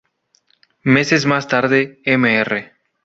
Meses más tarde, Mr.